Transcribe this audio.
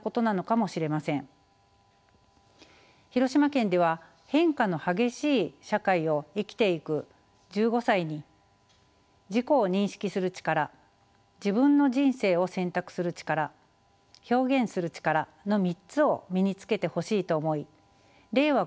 広島県では変化の激しい社会を生きていく１５歳に「自己を認識する力」「自分の人生を選択する力」「表現する力」の３つを身につけてほしいと思い令和